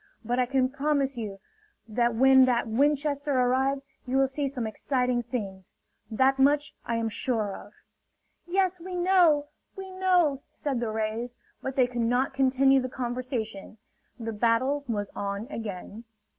But I can promise you that when that Winchester arrives, you will see some exciting things. That much I am sure of!" "Yes, we know! We know!" said the rays. But they could not continue the conversation: the battle was on again.